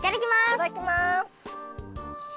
いただきます！